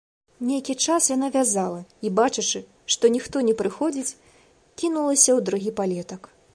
Нейкі час яна вязала і, бачачы, што ніхто не прыходзіць, кінулася ў другі палетак.